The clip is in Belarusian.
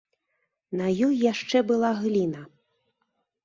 На ёй яшчэ была гліна.